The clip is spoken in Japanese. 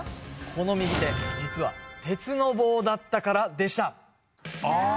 この右手実は鉄の棒だったからでしたあー！